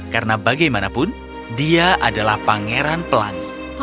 karena bagaimanapun dia adalah pangeran pelangi